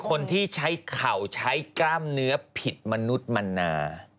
คนที่ใช้เข่าใช้กล้ามเนื้อผิดมนุษย์มนา